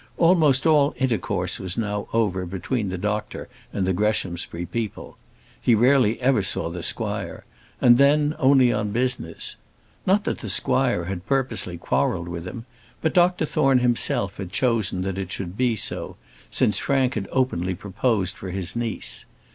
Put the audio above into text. Almost all intercourse was now over between the doctor and the Greshamsbury people. He rarely ever saw the squire, and then only on business. Not that the squire had purposely quarrelled with him; but Dr Thorne himself had chosen that it should be so, since Frank had openly proposed for his niece.